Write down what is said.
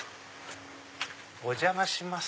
お邪魔します。